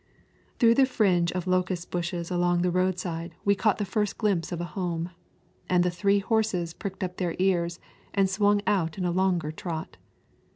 Through the fringe of locust bushes along the roadside we caught the first glimpse of home, and the three horses pricked up their ears and swung out in a longer trot.